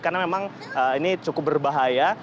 karena memang ini cukup berbahaya